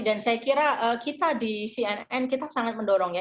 saya kira kita di cnn kita sangat mendorong ya